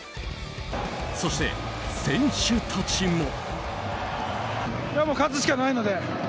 そして、選手たちも。